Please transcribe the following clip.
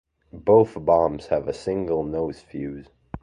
Both bombs have a single nose fuze.